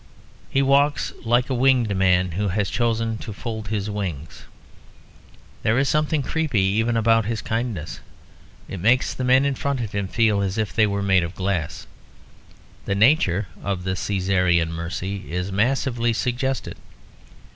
He walks like a winged man who has chosen to fold his wings. There is something creepy even about his kindness; it makes the men in front of him feel as if they were made of glass. The nature of the Cæsarian mercy is massively suggested.